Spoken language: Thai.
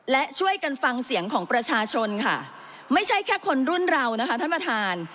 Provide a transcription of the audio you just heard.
และช่วยกันฟังเสียงของประชาชนค่ะไม่ใช่แค่คนรุ่นเรานะคะท่านประธาน